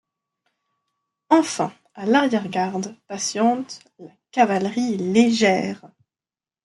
Enfin, à l'arrière-garde patiente la cavalerie légère.